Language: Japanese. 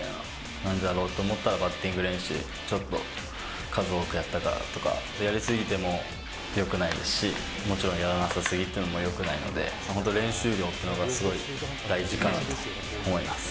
なんでだろうと思ったら、バッティング練習、ちょっと数多くやったからとか、やりすぎてもよくないですし、もちろん、やらなさすぎてもよくないので、本当、練習量っていうのがすごい大事かなと思います。